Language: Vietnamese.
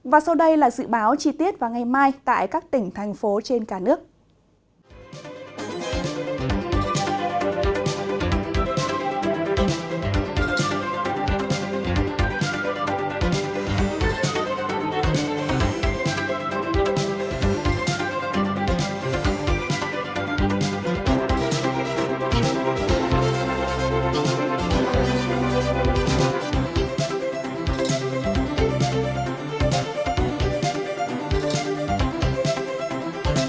và sau đây là dự báo chi tiết vào ngày mai tại các tỉnh thành phố trên cả nước